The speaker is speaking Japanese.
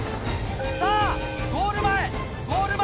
さぁゴール前ゴール前！